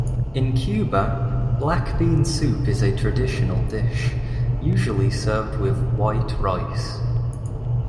In Cuba, black bean soup is a traditional dish, usually served with white rice.